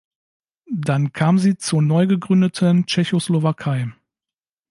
Dann kam sie zur neu gegründeten Tschechoslowakei.